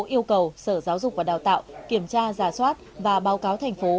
yêu cầu sở giáo dục và đào tạo kiểm tra giả soát và báo cáo thành phố